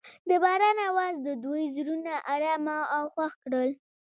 د باران اواز د دوی زړونه ارامه او خوښ کړل.